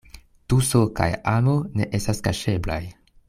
Tuso kaj amo ne estas kaŝeblaj.